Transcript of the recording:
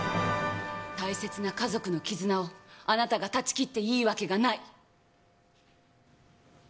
大切な家族の絆を、あなたが断ち切っていいわけがない！